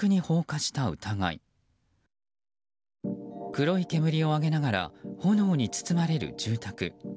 黒い煙を上げながら炎に包まれる住宅。